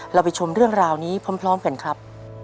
เราไปชมเรื่องราวนี้พร้อมกันครับ